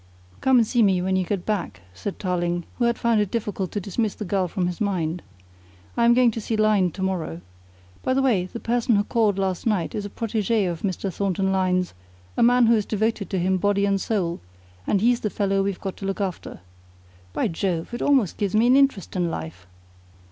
"Come and see me when you get back," said Tarling, who had found it difficult to dismiss the girl from his mind. "I am going to see Lyne to morrow. By the way, the person who called last night is a protégé of Mr. Thornton Lyne's, a man who is devoted to him body and soul, and he's the fellow we've got to look after. By Jove! It almost gives me an interest in life!"